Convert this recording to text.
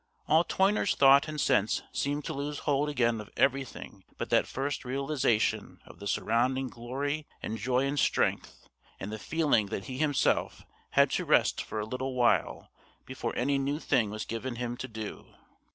All Toyner's thought and sense seemed to lose hold again of everything but that first realisation of the surrounding glory and joy and strength, and the feeling that he himself had to rest for a little while before any new thing was given him to do.